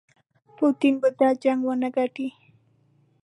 پوټین به دا جنګ ونه ګټي.